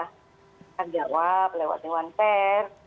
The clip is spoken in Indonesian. kita jawab lewat dewan pers